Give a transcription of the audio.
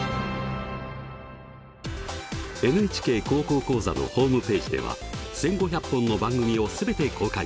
「ＮＨＫ高校講座」のホームページでは１，５００本の番組を全て公開。